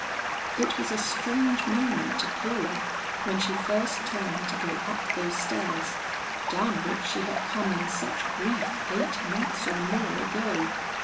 It was a strange moment to Paula when she first turned to go up those stairs, down which she had come in such grief eight months or more ago.